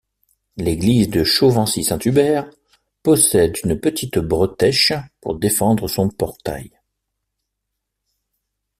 L'église de Chauvency-Saint-Hubert possède une petite bretèche pour défendre son portail.